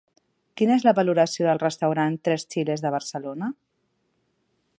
Quina és la valoració del restaurant Tres Chiles de Barcelona?